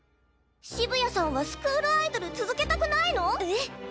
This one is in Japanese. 澁谷さんはスクールアイドル続けたくないの⁉ええ⁉